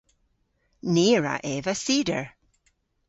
Ni a wra eva cider.